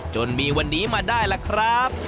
จนมีวันนี้มาได้ล่ะครับ